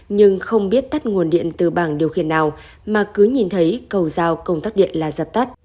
nhưng không biết tắt nguồn điện từ bảng điều khiển nào mà cứ nhìn thấy cầu giao công tác điện là dập tắt